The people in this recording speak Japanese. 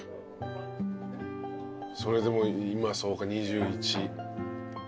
それでも今そうか２１。